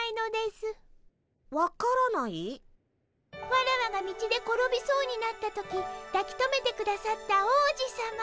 ワラワが道で転びそうになった時だきとめてくださった王子さま。